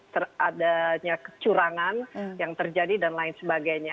terhadapnya kecurangan yang terjadi dan lain sebagainya